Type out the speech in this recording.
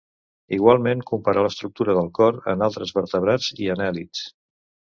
Igualment comparà l'estructura del cor en altres vertebrats i anèl·lids.